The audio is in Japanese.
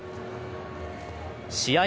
試合